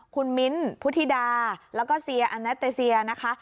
คุณมิ้นท์พุทธิดาแล้วก็เซียอแนตเตเซียนะคะ